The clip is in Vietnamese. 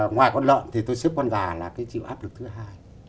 ngoài con lợn thì tôi xếp con gà là cái chịu áp lực thứ hai